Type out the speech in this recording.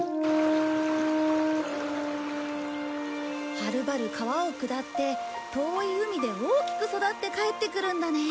はるばる川を下って遠い海で大きく育って帰ってくるんだね。